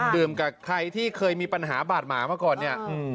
ดื่มกับใครที่เคยมีปัญหาบาดหมามาก่อนเนี่ย